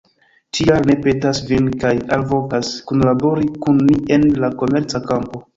Tial, ni petas vin kaj alvokas, kunlabori kun ni en la komerca kampo.